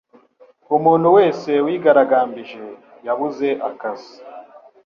Umuntu wese wigaragambije, yabuze akazi.